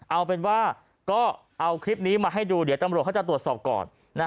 เอาเป็นว่าก็เอาคลิปนี้มาให้ดูเดี๋ยวตำรวจเขาจะตรวจสอบก่อน